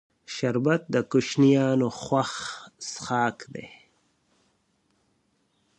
شربت د کوشنیانو خوښ څښاک دی